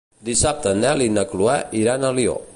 Dissabte en Nel i na Chloé iran a Alió.